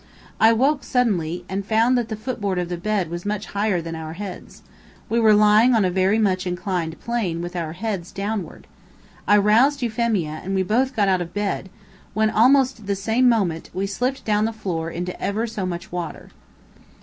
I awoke suddenly, and found that the footboard of the bedstead was much higher than our heads. We were lying on a very much inclined plane, with our heads downward. I roused Euphemia, and we both got out of bed, when, at almost the same moment, we slipped down the floor into ever so much water.